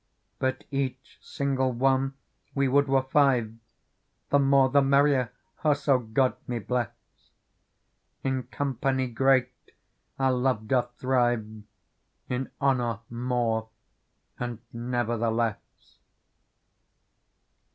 But each s ingle one we would were fi ve ; The more the merrier , so God me CT ess ! In company great ourToveHoththrive, In honour more and never the less.